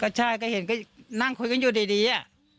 ก็ใช่ก็เห็นนั่งคุยกันอยู่ดีอ่ะ